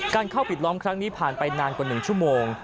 เข้าปิดล้อมครั้งนี้ผ่านไปนานกว่า๑ชั่วโมง